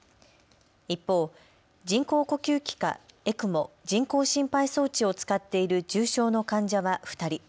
一方、人工呼吸器かＥＣＭＯ・人工心肺装置を使っている重症の患者は２人。